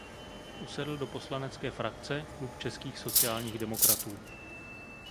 Usedl do poslanecké frakce Klub českých sociálních demokratů.